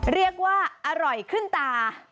เรียกว่าอร่อยขึ้นตา